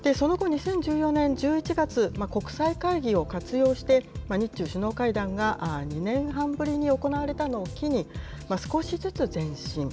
その後、２０１４年１１月、国際会議を活用して、日中首脳会談が２年半ぶりに行われたのを機に少しずつ前進。